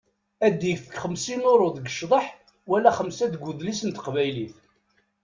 Ad yefk xemsin uṛu deg ccḍeḥ wala xemsa deg udlis n teqbaylit.